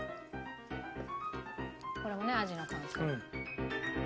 これもね味の感想。